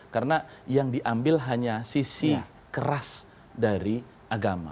karena yang diambil hanya sisi keras dari agama